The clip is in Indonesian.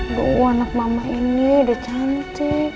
bahwa anak mama ini udah cantik